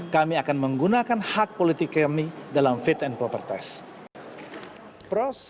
kami akan menggunakan hak politik kami dalam fit and proper test